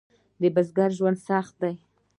د بزګر ژوند سخت دی؟